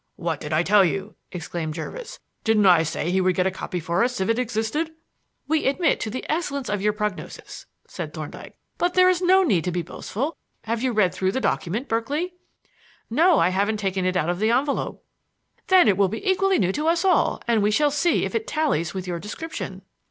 "What did I tell you?" exclaimed Jervis. "Didn't I say that he would get the copy for us if it existed?" "We admit the excellence of your prognosis," said Thorndyke, "but there is no need to be boastful. Have you read through the document, Berkeley?" "No, I haven't taken it out of the envelope." "Then it will be equally new to us all, and we shall see if it tallies with your description."